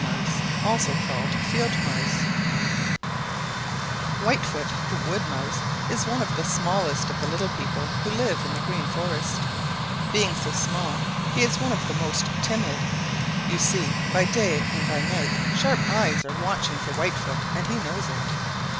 CHAPTER XV Two Unlike Little Cousins Whitefoot the Wood Mouse is one of the smallest of the little people who live in the Green Forest. Being so small he is one of the most timid. You see, by day and by night sharp eyes are watching for Whitefoot and he knows it.